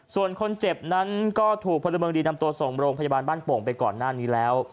ส่วนคนเจ็บนั้นก็ถูกพลเมืองดีนำตัวส่งโรงพยาบาลบ้านโป่งไปก่อนหน้านี้แล้ว